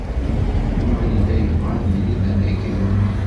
Yuba yella yebɣa ad yili d aneggar.